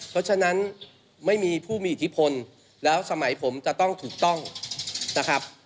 เพราะฉะนั้นไม่มีผู้มีอิทธิพลแล้วสมัยผมจะต้องถูกต้องนะครับ